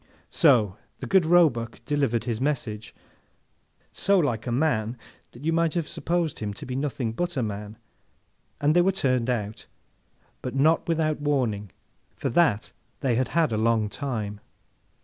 So, the good Roebuck delivered his message, so like a man that you might have supposed him to be nothing but a man, and they were turned out—but, not without warning, for that they had had a long time.